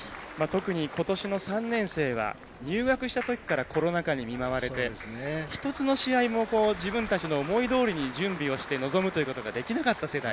特に、の３年生は入学したときからコロナ禍に見舞われて一つの試合も自分たちの思いどおりに準備して臨むことができなかった世代。